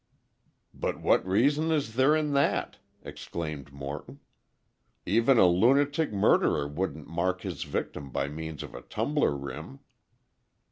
"But what reason is there in that?" exclaimed Morton. "Even a lunatic murderer wouldn't mark his victim by means of a tumbler rim."